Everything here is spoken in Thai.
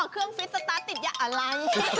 เครื่องฟิตสตาร์ทติดยาอะไร